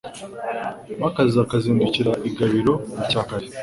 maze akazindukira i Gabiro mucyakare